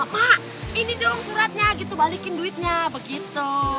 mak ini dong suratnya gitu balikin duitnya begitu